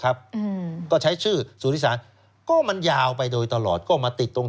ครับอืมก็ใช้ชื่อบิ้ลหนึ่งสานยาวไปโดยตลอดมาติดตรง